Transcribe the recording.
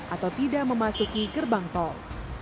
atau tidak memasuki gerbang tol